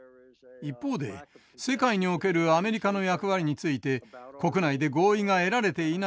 一方で世界におけるアメリカの役割について国内で合意が得られていないと思います。